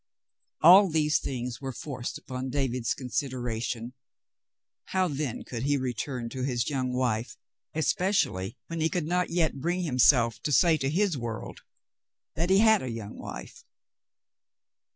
All these things were forced upon David's consideration ; how then could he return to his young wife, especially when he could not yet bring himself to say to his world that he had a young wife.